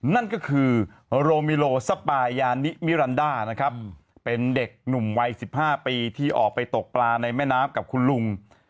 นั่นก็คือโรมิโลสปายานิมิรันดานะครับเป็นเด็กหนุ่มวัย๑๕ปีที่ออกไปตกปลาในแม่น้ำกับคุณลุง